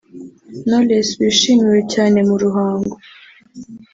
Knowless wishimiwe cyane mu Ruhango